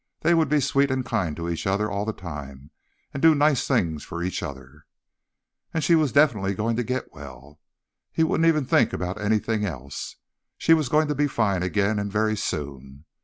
They'd be sweet and kind to each other all the time, and do nice things for each other. And she was definitely going to get well. He wouldn't even think about anything else. She was going to be fine again, and very soon.